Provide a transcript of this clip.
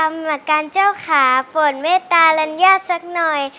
กรรมการเจ้าขาป่นเมตตารัญญาสักหน่อย